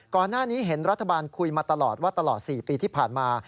ก่อนหน้านี้เห็นรัฐบาลคุยมาตลอดว่าตลอด๔ปีที่ผ่านมา